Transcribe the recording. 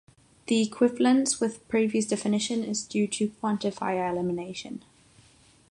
The equivalence with previous definition is due to quantifier elimination.